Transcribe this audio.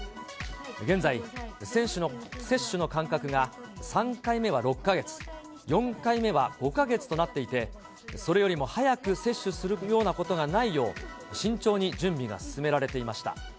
現在、接種の間隔が３回目は６か月、４回目は５か月となっていて、それよりも早く接種するようなことがないよう、慎重に準備が進められていました。